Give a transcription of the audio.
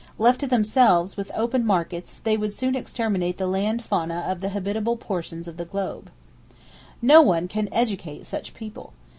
Left to themselves, with open markets they would soon exterminate the land fauna of the habitable portions of the globe. No one can "educate" such people.